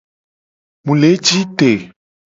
Mu le ji te.